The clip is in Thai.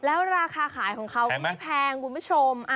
แล้วราคาขายของเขาก็ไม่แพงคุณผู้ชม